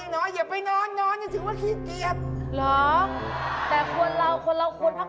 นอนไม่รู้เรื่องรู้ราว